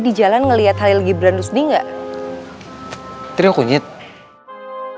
di jalan ngeliat halil gibran undi enggak trio kunyit emang kenapa usah mixture tadi pas usat perg mangek